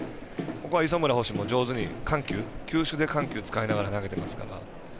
ここは磯村捕手も上手に球種で緩急使いながら投げてますから。